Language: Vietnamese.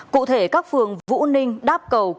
cụ thể các phường vũ ninh đáp cầu